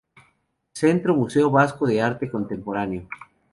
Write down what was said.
Centro Museo Vasco de Arte Contemporáneo.